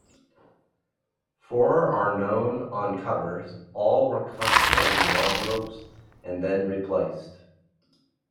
Four are known on covers; all were cut from their envelopes and then replaced.